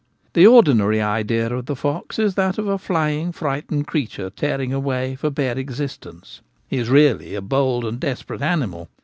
The ordinary idea of the fox is that of a flying frightened creature tearing away for bare existence ; he is really a bold and desperate animal.